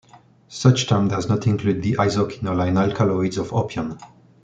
Such term does not include the isoquinoline alkaloids of opium.